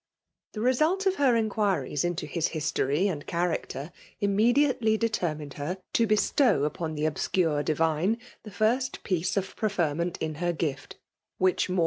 The result of her inquiries into hts .232 • FEMALE DOMINATION. history and character immediately determined her to bestow upon the obscure divine the first piece of preferment in her gift ; which^ more